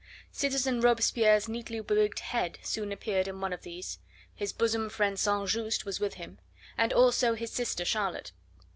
Citizen Robespierre's neatly bewigged head soon appeared in one of these; his bosom friend St. Just was with him, and also his sister Charlotte.